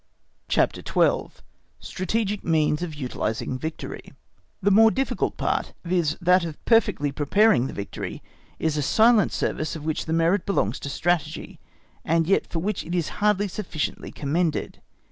CHAPTER XII. Strategic Means of Utilising Victory The more difficult part, viz., that of perfectly preparing the victory, is a silent service of which the merit belongs to Strategy and yet for which it is hardly sufficiently commended.